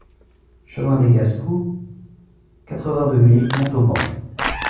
Chemin des Gascous, quatre-vingt-deux mille Montauban